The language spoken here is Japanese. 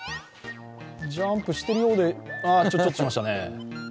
ジャンプしているようで、あっちょっとしましたね。